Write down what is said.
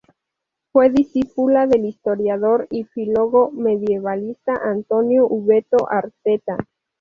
Fue discípula del historiador y filólogo medievalista Antonio Ubieto Arteta.